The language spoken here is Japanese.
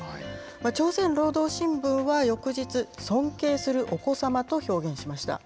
朝鮮労働新聞は翌日、尊敬するお子様と表現しました。